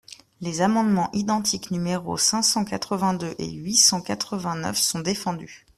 Les amendements identiques numéros cinq cent quatre-vingt-deux et huit cent quatre-vingt-neuf sont défendus.